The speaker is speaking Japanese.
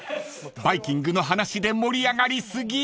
［バイキングの話で盛り上がり過ぎ］